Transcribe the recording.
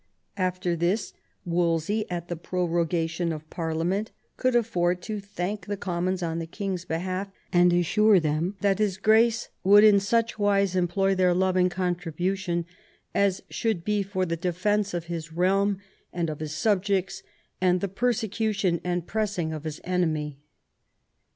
After this Wolsey, at the prorog ation of Parliament, could afford to thank the Com mons on the king's behalf, and assure them that "his Grace would in such wise employ their loving contri bution as should be for the defence of his realm and of his subjects, and the persecution and pressing of his enemy.'